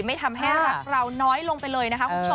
ไม่ทำให้รักเราน้อยลงไปเลยนะคะ